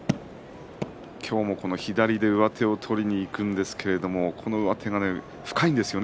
今日も左で上手を取りにいくんですけれどもこの上手が深いんですよね。